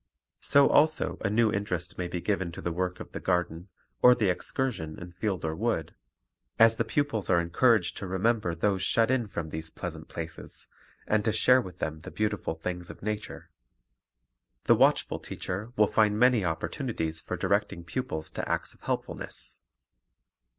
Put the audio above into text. So also a new interest may be given to the work of the garden or the excursion in field or wood, as the pupils are encouraged to remember those shut in from these pleasant places, and to share with them the beautiful things of nature. The watchful teacher will find many opportunities for directing pupils to acts of helpfulness.